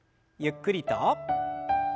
ゆっくりと。